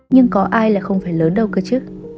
nhưng có ai là không phải lớn đâu cơ chức